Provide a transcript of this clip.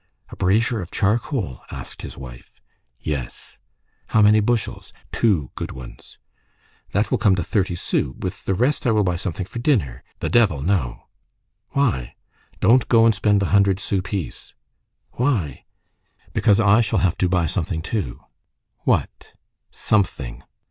"A brazier of charcoal?" asked his wife. "Yes." "How many bushels?" "Two good ones." "That will come to thirty sous. With the rest I will buy something for dinner." "The devil, no." "Why?" "Don't go and spend the hundred sou piece." "Why?" "Because I shall have to buy something, too." "What?" "Something."